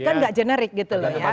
kan gak generik gitu loh ya